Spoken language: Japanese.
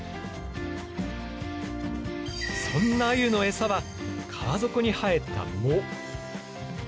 そんなアユのエサは川底に生えた藻。